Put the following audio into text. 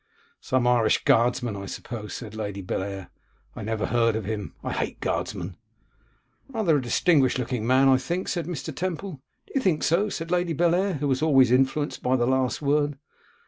'Some Irish guardsman, I suppose,' said Lady Bellair. 'I never heard of him; I hate guardsmen.' 'Rather a distinguished looking man, I think,' said Mr. Temple. 'Do you think so?' said Lady Bellair, who was always influenced by the last word.